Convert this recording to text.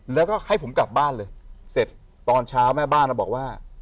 แล้วก็ให้ผมกลับบ้านเลยเสร็จตอนเช้าแม่บ้านบอกว่า